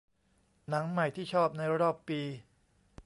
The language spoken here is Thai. หนังใหม่ที่ชอบในรอบปี